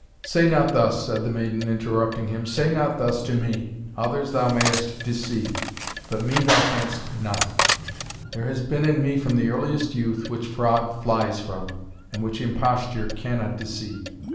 "Say not thus," said the maiden, interrupting him, "say not thus to me others thou mayst deceive, but me thou canst not There has been that in me from the earliest youth, which fraud flies from, and which imposture cannot deceive.